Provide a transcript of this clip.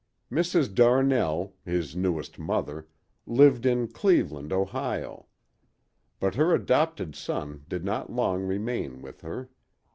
Mrs. Darnell, his newest mother, lived in Cleveland, Ohio. But her adopted son did not long remain with her.